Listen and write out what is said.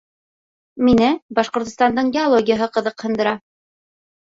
Мине Башҡортостандың геологияһы ҡыҙыҡһындыра.